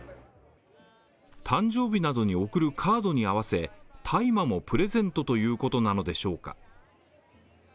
誕生日などに送るカードに合わせた大麻のプレゼントということなのでしょうか？